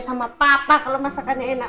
sama papa kalau masakannya enak